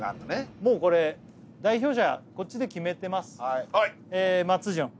もうこれ代表者こっちで決めてます